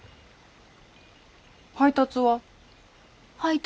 配達は？